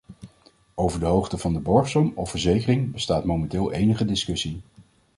Over de hoogte van de borgsom of verzekering bestaat momenteel enige discussie.